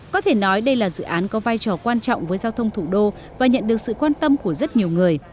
có thể nói đây là dự án có vai trò quan trọng với giao thông thủ đô và nhận được sự quan tâm của rất nhiều người